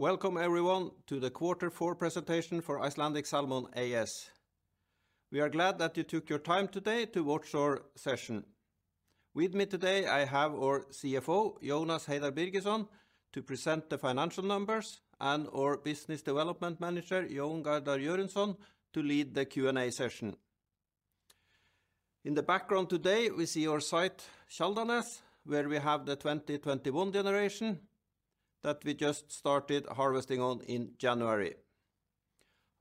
Welcome everyone to the quarter four presentation for Icelandic Salmon AS. We are glad that you took your time today to watch our session. With me today, I have our CFO, Jónas Heiðar Birgisson, to present the financial numbers, and our business development manager, Jón Garðar Jóhannsson, to lead the Q&A session. In the background today, we see our site, Sjaldanes, where we have the 2021 generation that we just started harvesting on in January.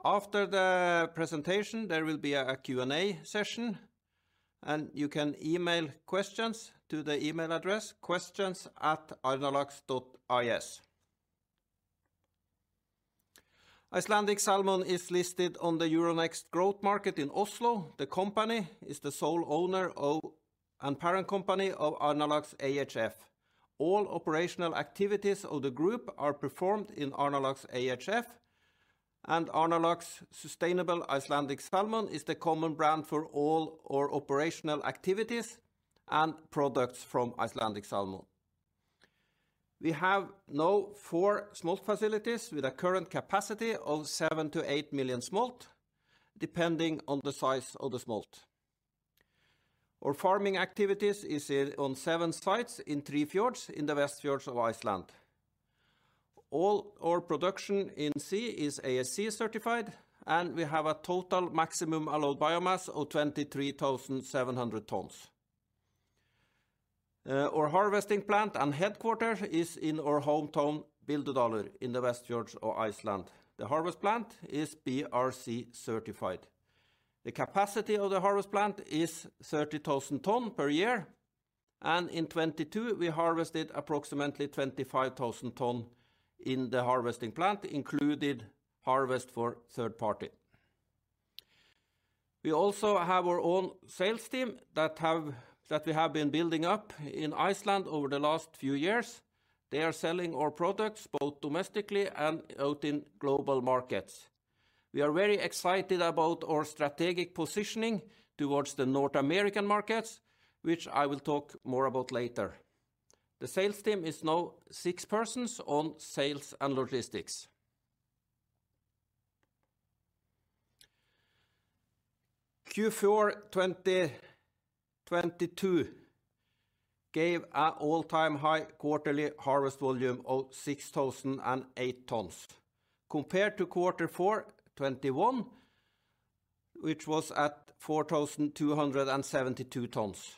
After the presentation, there will be a Q&A session, and you can email questions to the email address, questions@arnarlax.is. Icelandic Salmon is listed on the Euronext Growth market in Oslo. The company is the sole owner of, and parent company of Arnarlax hf. All operational activities of the group are performed in Arnarlax hf, and Arnarlax Sustainable Icelandic Salmon is the common brand for all our operational activities and products from Icelandic Salmon. We have now four smolt facilities with a current capacity of 7-8 million smolt, depending on the size of the smolt. Our farming activities is here on seven sites in three fjords in the Westfjords of Iceland. All our production in sea is ASC certified, and we have a total maximum allowed biomass of 23,700 tons. Our harvesting plant and headquarters is in our hometown, Bíldudalur, in the Westfjords of Iceland. The harvest plant is BRC certified. The capacity of the harvest plant is 30,000 tons per year, and in 2022, we harvested approximately 25,000 tons in the harvesting plant, included harvest for third party. We also have our own sales team that we have been building up in Iceland over the last few years. They are selling our products both domestically and out in global markets. We are very excited about our strategic positioning towards the North American markets, which I will talk more about later. The sales team is now six persons on sales and logistics. Q4 2022 gave an all-time high quarterly harvest volume of 6,008 tons compared to Q4 2021, which was at 4,272 tons.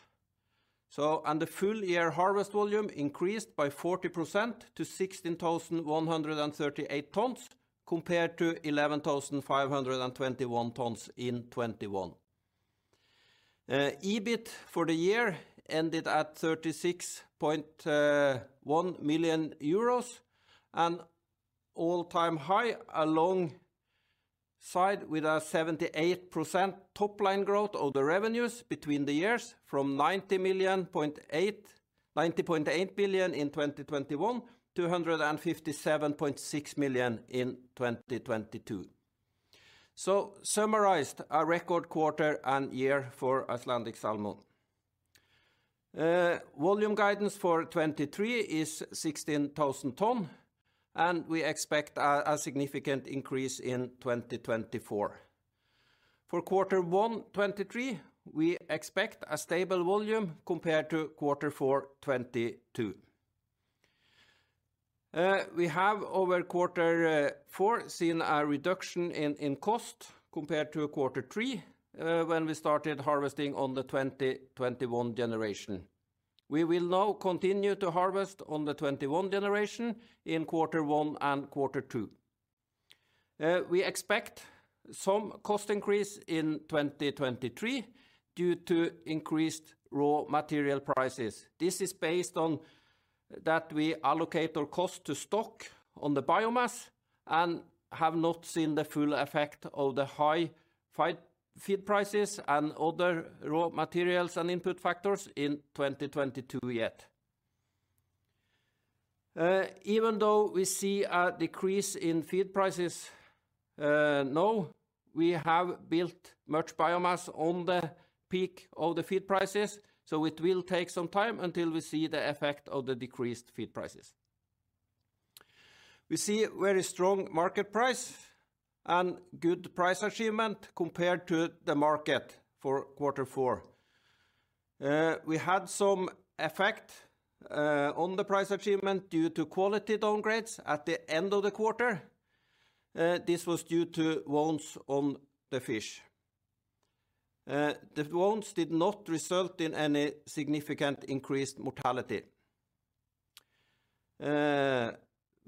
And the full year harvest volume increased by 40% to 16,138 tons compared to 11,521 tons in 2021. EBIT for the year ended at 36.1 million euros, an all-time high, alongside with a 78% top-line growth of the revenues between the years from 90.8 billion in 2021 to 157.6 million in 2022. Summarized, a record quarter and year for Icelandic Salmon. Volume guidance for 2023 is 16,000 tons, and we expect a significant increase in 2024. For Q1 2023, we expect a stable volume compared to Q4 2022. We have over Q4 seen a reduction in cost compared to a Q3, when we started harvesting on the 2021 generation. We will now continue to harvest on the 2021 generation in Q1 and Q2. We expect some cost increase in 2023 due to increased raw material prices. This is based on that we allocate our cost to stock on the biomass and have not seen the full effect of the high feed prices and other raw materials and input factors in 2022 yet. Even though we see a decrease in feed prices, now, we have built much biomass on the peak of the feed prices, so it will take some time until we see the effect of the decreased feed prices. We see very strong market price and good price achievement compared to the market for quarter four. We had some effect on the price achievement due to quality downgrades at the end of the quarter. This was due to wounds on the fish. The wounds did not result in any significant increased mortality.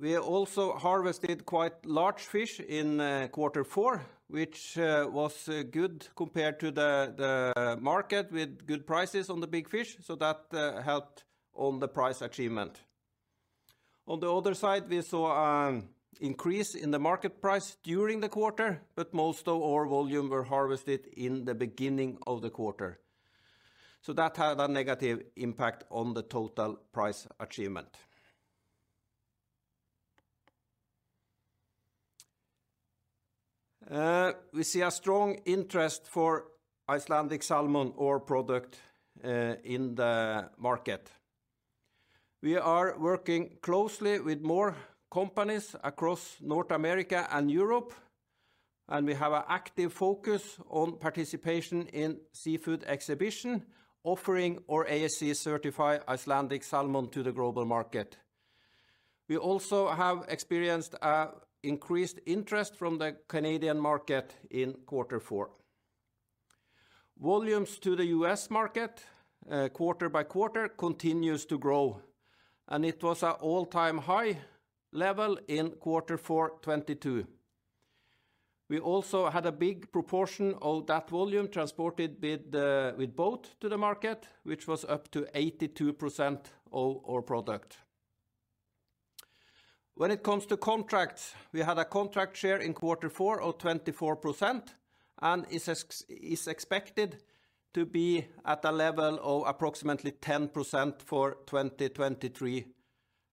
We also harvested quite large fish in quarter four, which was good compared to the market with good prices on the big fish. That helped on the price achievement. On the other side, we saw an increase in the market price during the quarter, but most of our volume were harvested in the beginning of the quarter. That had a negative impact on the total price achievement. We see a strong interest for Icelandic Salmon our product, in the market. We are working closely with more companies across North America and Europe, and we have an active focus on participation in seafood exhibition, offering our ASC-certified Icelandic Salmon to the global market. We also have experienced increased interest from the Canadian market in Q4. Volumes to the US market, quarter by quarter continues to grow, and it was an all-time high level in Q4 2022. We also had a big proportion of that volume transported with boat to the market, which was up to 82% of our product. When it comes to contracts, we had a contract share in quarter four of 24% and is expected to be at a level of approximately 10% for 2023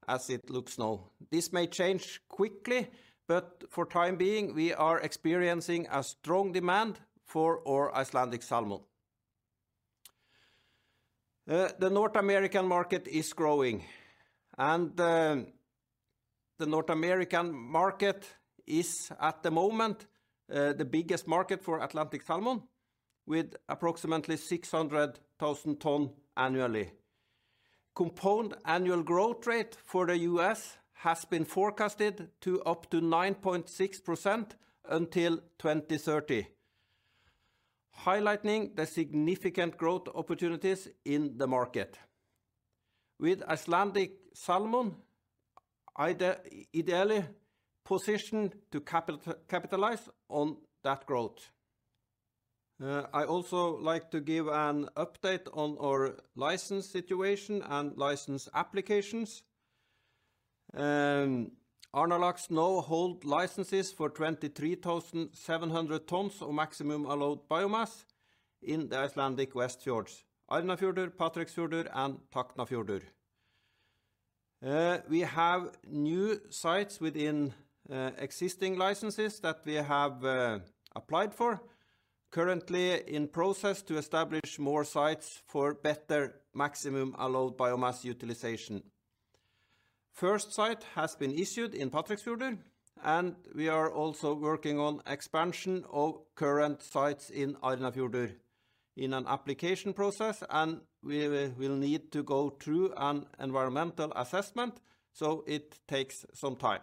as it looks now. This may change quickly, but for time being, we are experiencing a strong demand for our Icelandic Salmon. The North American market is growing, and the North American market is at the moment the biggest market for Atlantic salmon with approximately 600,000 tons annually. Compound annual growth rate for the US has been forecasted to up to 9.6% until 2030, highlighting the significant growth opportunities in the market. With Icelandic Salmon ideally positioned to capitalize on that growth. I also like to give an update on our license situation and license applications. Arnarlax now hold licenses for 23,700 tons of maximum allowed biomass in the Icelandic Westfjords, Arnarfjörður, Patreksfjörður, and Tálknafjörður. We have new sites within existing licenses that we have applied for. Currently in process to establish more sites for better maximum allowed biomass utilization. First site has been issued in Patreksfjörður. We are also working on expansion of current sites in Arnarfjörður in an application process. We will need to go through an environmental assessment. It takes some time.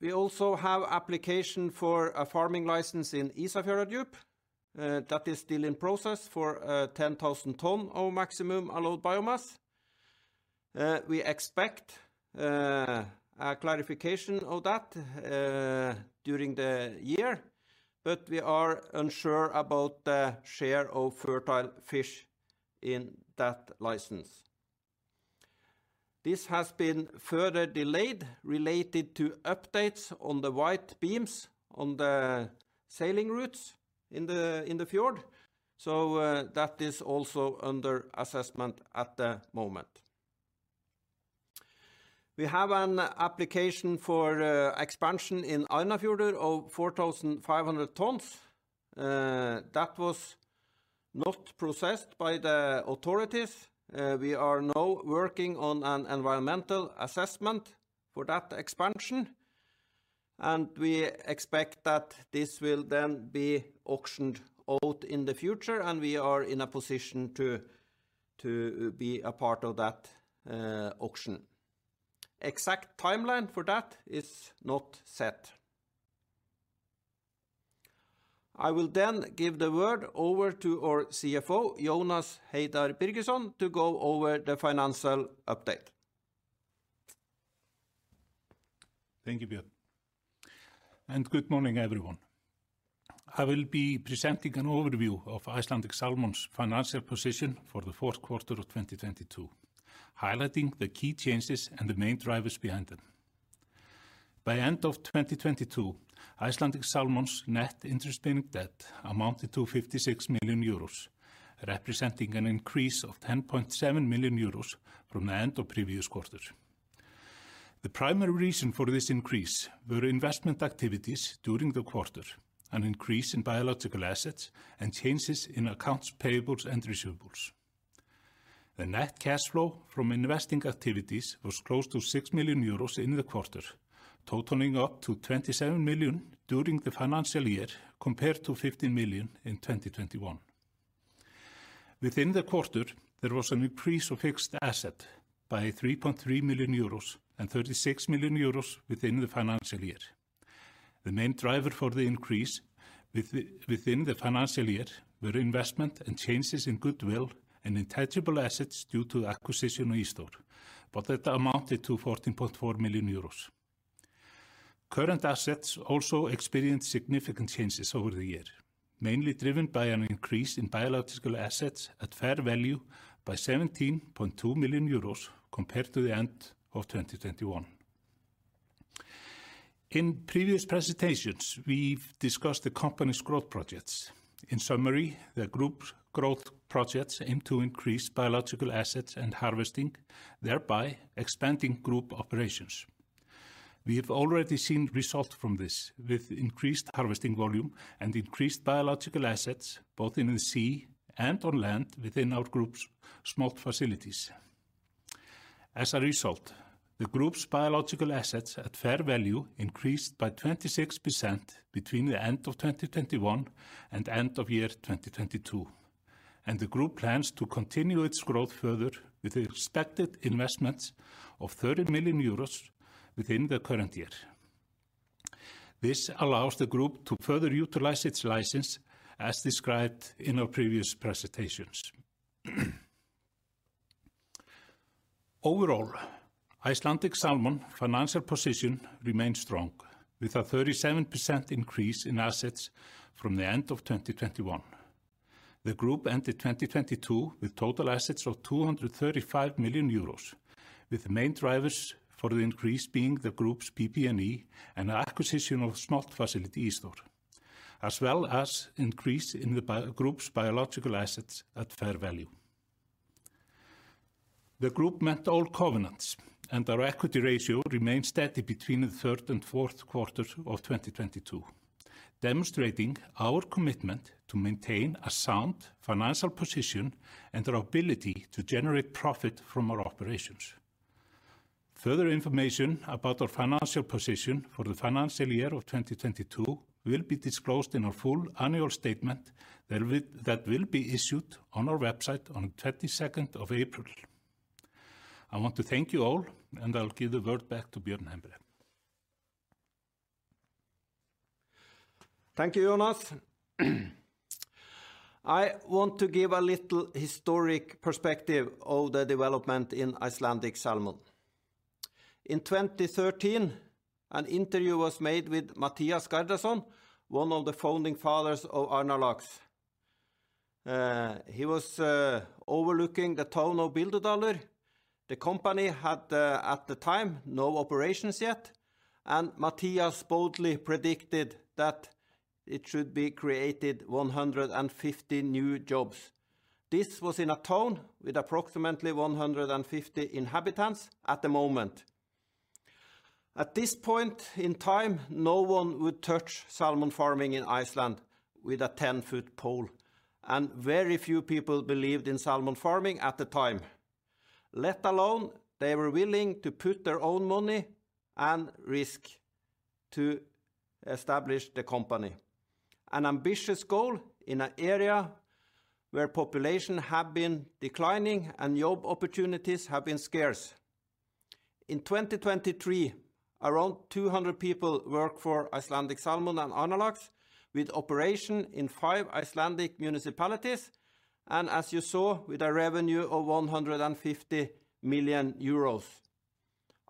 We also have application for a farming license in Ísafjarðardjúp that is still in process for 10,000 ton of maximum allowed biomass. We expect a clarification of that during the year. We are unsure about the share of fertile fish in that license. This has been further delayed related to updates on the white beams on the sailing routes in the, in the fjord. That is also under assessment at the moment. We have an application for expansion in Arnarfjörður of 4,500 tons. That was not processed by the authorities. We are now working on an environmental assessment for that expansion. We expect that this will then be auctioned out in the future. We are in a position to be a part of that auction. Exact timeline for that is not set. Give the word over to our CFO, Jónas Heiðar Birgisson, to go over the financial update. Thank you, Bjørn. Good morning, everyone. I will be presenting an overview of Icelandic Salmon's financial position for the fourth quarter of 2022, highlighting the key changes and the main drivers behind them. By end of 2022, Icelandic Salmon's net interest-bearing debt amounted to 56 million euros, representing an increase of 10.7 million euros from the end of previous quarter. The primary reason for this increase were investment activities during the quarter, an increase in biological assets, and changes in accounts payables and receivables. The net cash flow from investing activities was close to 6 million euros in the quarter, totaling up to 27 million during the financial year compared to 15 million in 2021. Within the quarter, there was an increase of fixed asset by 3.3 million euros and 36 million euros within the financial year. The main driver for the increase within the financial year were investment and changes in goodwill and intangible assets due to acquisition of Ísþór, but that amounted to 14.4 million euros. Current assets also experienced significant changes over the year, mainly driven by an increase in biological assets at fair value by 17.2 million euros compared to the end of 2021. Previous presentations, we've discussed the company's growth projects. In summary, the group's growth projects aim to increase biological assets and harvesting, thereby expanding group operations. We have already seen results from this, with increased harvesting volume and increased biological assets both in the sea and on land within our group's smolt facilities. As a result, the group's biological assets at fair value increased by 26% between the end of 2021 and end of year 2022. The group plans to continue its growth further with expected investments of 30 million euros within the current year. This allows the group to further utilize its license as described in our previous presentations. Overall, Icelandic Salmon financial position remains strong, with a 37% increase in assets from the end of 2021. The group ended 2022 with total assets of 235 million euros, with the main drivers for the increase being the group's PP&E and acquisition of smolt facility, Ísafjarðardjúp, as well as increase in the group's biological assets at fair value. The group met all covenants, and our equity ratio remained steady between the third and fourth quarters of 2022, demonstrating our commitment to maintain a sound financial position and our ability to generate profit from our operations. Further information about our financial position for the financial year of 2022 will be disclosed in our full annual statement that will be issued on our website on 22nd of April. I want to thank you all, I'll give the word back to Bjørn Hembre. Thank you, Jónas. I want to give a little historic perspective of the development in Icelandic Salmon. In 2013, an interview was made with Matthías Garðarsson, one of the founding fathers of Arnarlax. He was overlooking the town of Bíldudalur. The company had at the time no operations yet, and Matthías boldly predicted that it should be created 150 new jobs. This was in a town with approximately 150 inhabitants at the moment. At this point in time, no one would touch salmon farming in Iceland with a ten-foot pole, and very few people believed in salmon farming at the time, let alone they were willing to put their own money and risk to establish the company. An ambitious goal in an area where population have been declining and job opportunities have been scarce. In 2023, around 200 people work for Icelandic Salmon and Arnarlax with operation in five Icelandic municipalities, and as you saw, with a revenue of 150 million euros.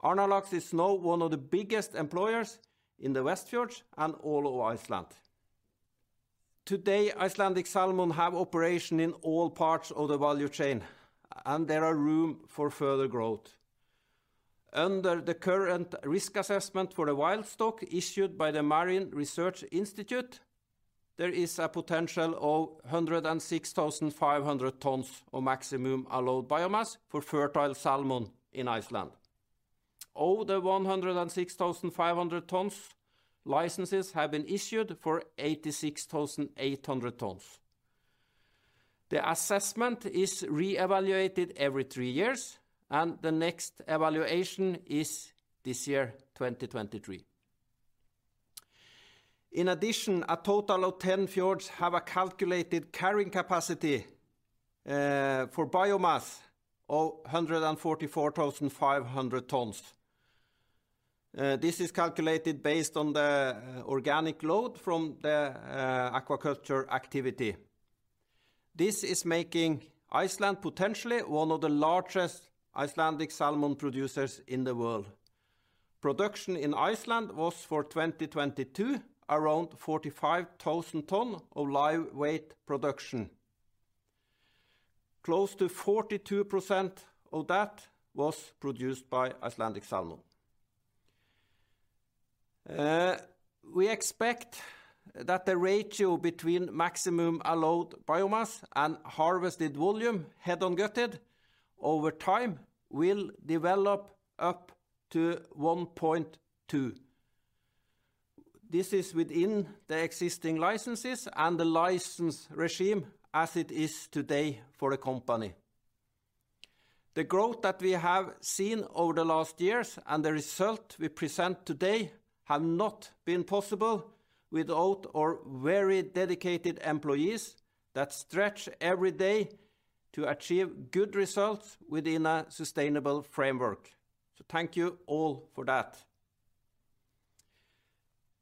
Arnarlax is now one of the biggest employers in the Westfjords and all of Iceland. Today, Icelandic Salmon have operation in all parts of the value chain, and there are room for further growth. Under the current risk assessment for the wild stock issued by the Marine Research Institute, there is a potential of 106,500 tons of maximum allowed biomass for fertile salmon in Iceland. Of the 106,500 tons, licenses have been issued for 86,800 tons. The assessment is reevaluated every three years, and the next evaluation is this year, 2023. In addition, a total of 10 fjords have a calculated carrying capacity for biomass of 144,500 tons. This is calculated based on the organic load from the aquaculture activity. This is making Iceland potentially one of the largest Icelandic Salmon producers in the world. Production in Iceland was for 2022 around 45,000 ton of live weight production. Close to 42% of that was produced by Icelandic Salmon. We expect that the ratio between maximum allowed biomass and harvested volume head and gutted over time will develop up to 1.2. This is within the existing licenses and the license regime as it is today for the company. The growth that we have seen over the last years and the result we present today have not been possible without our very dedicated employees that stretch every day to achieve good results within a sustainable framework. Thank you all for that.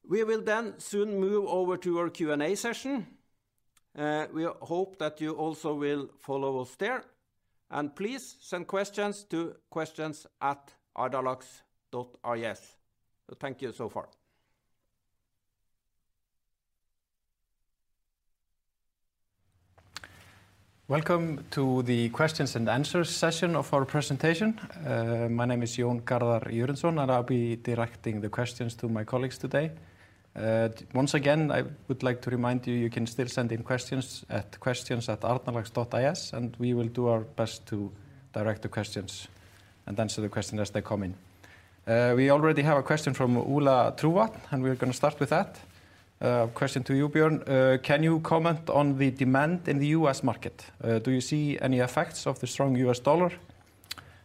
We will soon move over to our Q&A session. We hope that you also will follow us there. Please send questions to questions@arnarlax.is. Thank you so far. Welcome to the questions and answers session of our presentation. My name is Jón Garðar Jóhannsson, I'll be directing the questions to my colleagues today. Once again, I would like to remind you can still send in questions at questions@arnarlax.is, We will do our best to direct the questions and answer the question as they come in. We already have a question from Ola Trovatn, we're gonna start with that. Question to you, Bjørn. Can you comment on the demand in the US market? Do you see any effects of the strong US dollar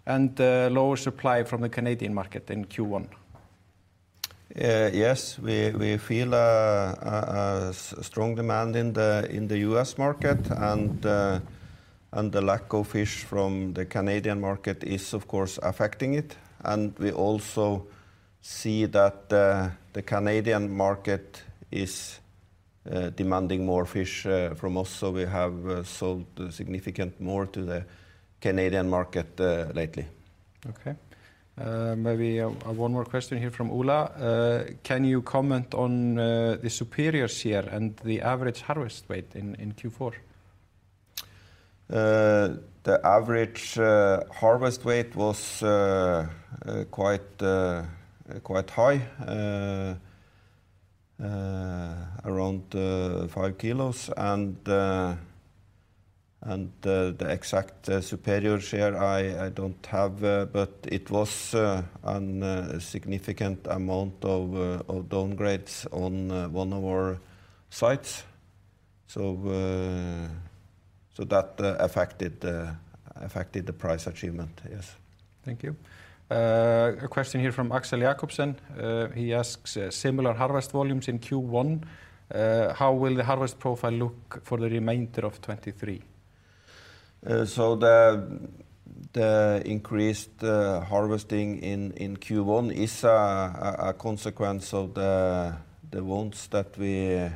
and lower supply from the Canadian market in Q1? Yes. We feel a strong demand in the US market and the lack of fish from the Canadian market is, of course, affecting it. We also see that the Canadian market is demanding more fish from us, so we have sold a significant more to the Canadian market lately. Okay. Maybe, one more question here from Ola. Can you comment on the superior share and the average harvest weight in Q4? The average harvest weight was quite high, around 5 kilos. The exact superior share, I don't have, but it was a significant amount of downgrades on one of our sites. That affected the price achievement. Yes. Thank you. A question here from Axel Jacobsen. He asks, similar harvest volumes in Q1, how will the harvest profile look for the remainder of 2023? The increased harvesting in Q1 is a consequence of the wounds that we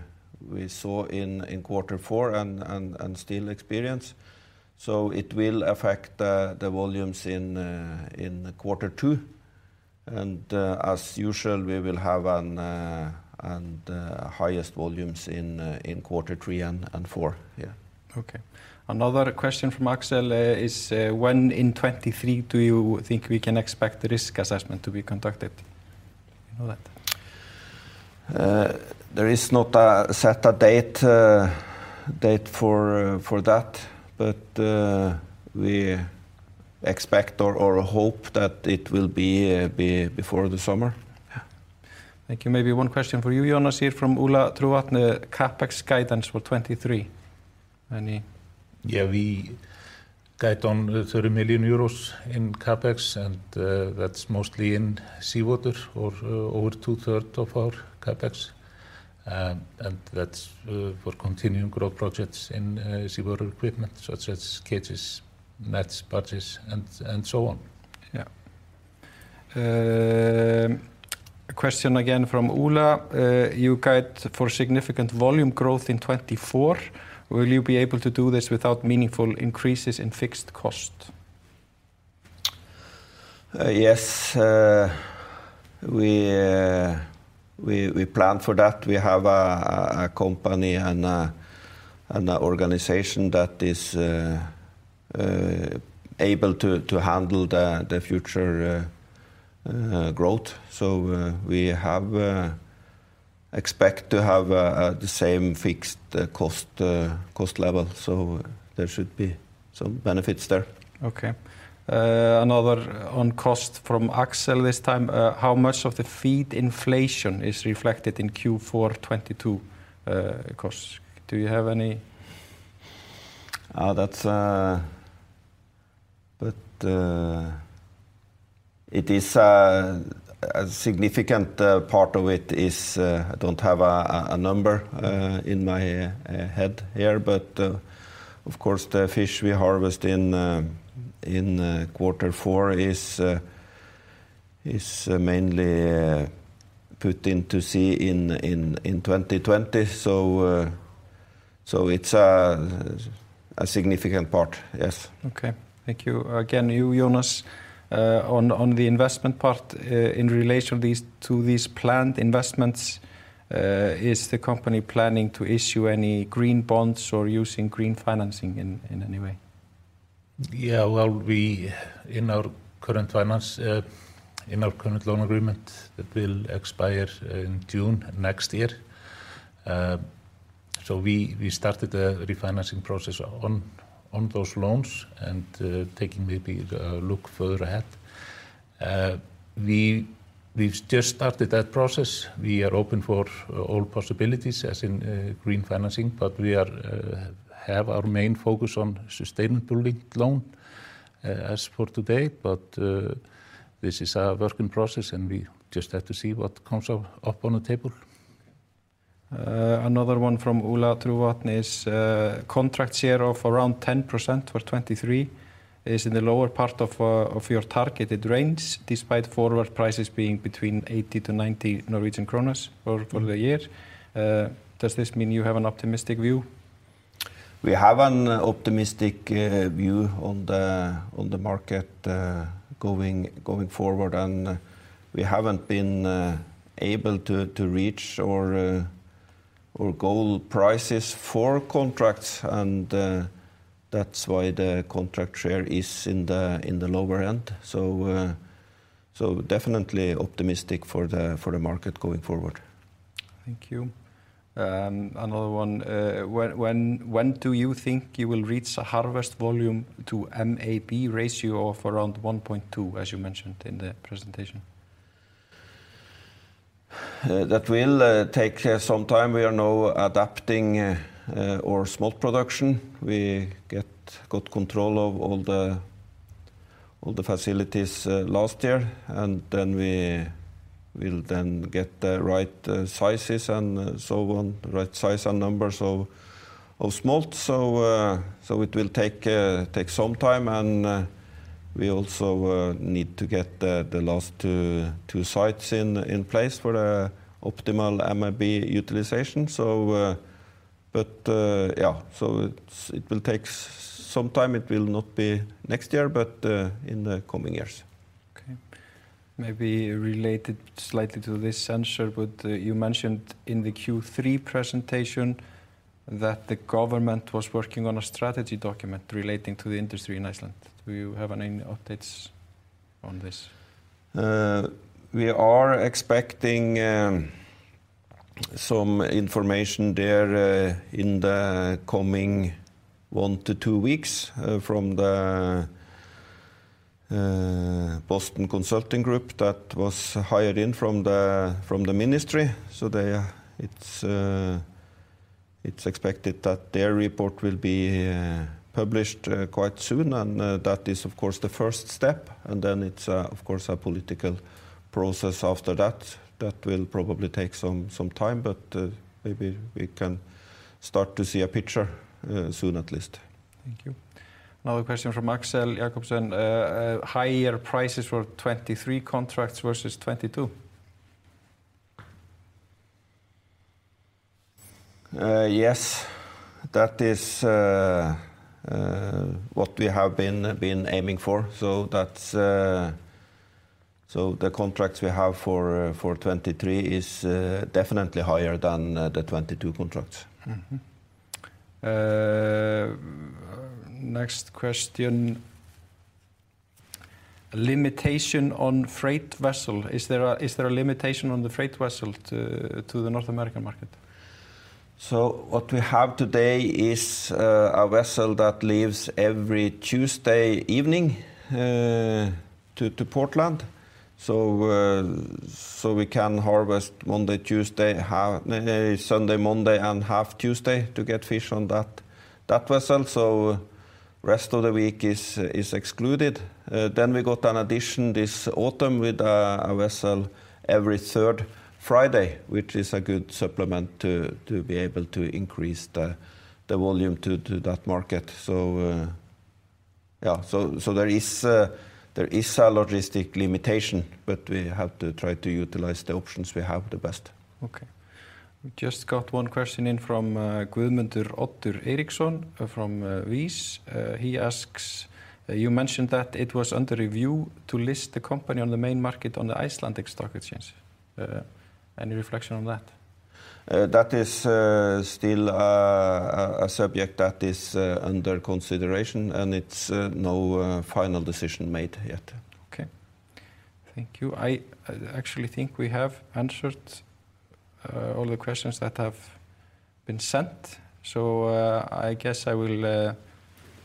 saw in quarter four and still experience. It will affect the volumes in quarter two. As usual, we will have an highest volumes in quarter three and four. Yeah. Okay. Another question from Axel is, when in 2023 do you think we can expect the risk assessment to be conducted? Do you know that? There is not a set date for that. We expect or hope that it will be before the summer. Yeah. Thank you. Maybe one question for you, Jónas, here from Ola Trovatn. CapEx guidance for 2023. Any? Yeah. We guide on 30 million euros in CapEx, and that's mostly in seawater or over two-third of our CapEx. That's for continuing growth projects in seawater equipment such as cages, nets, barges, and so on. A question again from Ola. You guide for significant volume growth in 2024. Will you be able to do this without meaningful increases in fixed cost? Yes, we plan for that. We have a company and an organization that is able to handle the future growth. We expect to have the same fixed cost level, so there should be some benefits there. Okay. another on cost from Axel this time. How much of the feed inflation is reflected in Q4 2022 costs? Do you have any? That's... It is a significant part of it is, I don't have a number in my head here. Of course, the fish we harvest in quarter four is mainly put into sea in 2020. It's a significant part. Yes. Okay. Thank you. Again, you, Jónas, on the investment part. In relation to these planned investments, is the company planning to issue any green bonds or using green financing in any way? Yeah. Well, we, in our current finance, in our current loan agreement, it will expire in June next year. We started a refinancing process on those loans and, taking maybe a look further ahead. We've just started that process. We are open for all possibilities as in, green financing, but we are, have our main focus on sustainability loan, as for today. This is a work in process and we just have to see what comes up on the table. Another one from Ola Trovatn is, contract share of around 10% for 2023 is in the lower part of your targeted range, despite forward prices being between 80-90 Norwegian kroner for the year. Does this mean you have an optimistic view? We have an optimistic view on the market going forward. We haven't been able to reach or goal prices for contracts. That's why the contract share is in the lower end. Definitely optimistic for the market going forward. Thank you. Another one, when do you think you will reach a harvest volume to MAB ratio of around 1.2 as you mentioned in the presentation? That will take some time. We are now adapting our smolt production. We get good control of all the facilities last year, and then we will then get the right sizes and so on, right size and numbers of smolt. It will take some time and we also need to get the last two sites in place for the optimal MAB utilization. Yeah, so it's, it will take some time. It will not be next year, but in the coming years. Okay. Maybe related slightly to this answer, but you mentioned in the Q3 presentation that the government was working on a strategy document relating to the industry in Iceland. Do you have any updates on this? We are expecting some information there in the coming one to two weeks from the Boston Consulting Group that was hired in from the ministry. It's expected that their report will be published quite soon. That is of course the first step, and then it's of course a political process after that. That will probably take some time, but maybe we can start to see a picture soon at least. Thank you. Another question from Axel Jacobsen. Higher prices for 2023 contracts versus 2022. Yes. That is what we have been aiming for. That's... The contracts we have for 2023 is definitely higher than the 2022 contracts. Mm-hmm. Next question. Limitation on freight vessel. Is there a limitation on the freight vessel to the North American market? What we have today is a vessel that leaves every Tuesday evening to Portland. We can harvest Monday, Tuesday, Sunday, Monday, and half Tuesday to get fish on that vessel. Rest of the week is excluded. Then we got an addition this autumn with a vessel every third Friday, which is a good supplement to be able to increase the volume to that market. Yeah. There is a logistic limitation, but we have to try to utilize the options we have the best. Okay. We just got one question in from Guðmundur Oddur Eiríksson from Vís. He asks, "You mentioned that it was under review to list the company on the main market on Nasdaq Iceland. Any reflection on that? That is still a subject that is under consideration, and it's no final decision made yet. Okay. Thank you. I actually think we have answered all the questions that have been sent. I guess I will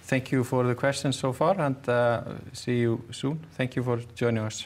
thank you for the questions so far, and see you soon. Thank you for joining us.